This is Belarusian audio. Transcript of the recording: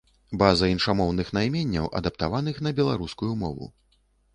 База іншамоўных найменняў, адаптаваных на беларускую мову.